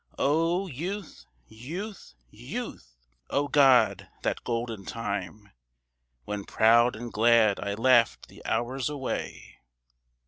"O youth, youth, youth! O God! that golden time, When proud and glad I laughed the hours away.